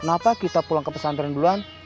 kenapa kita pulang ke pesantren duluan